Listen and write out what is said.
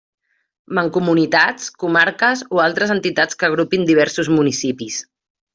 Mancomunitats, comarques o altres entitats que agrupin diversos municipis.